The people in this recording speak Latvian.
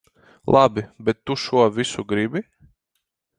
Labi, bet tu šo visu gribi?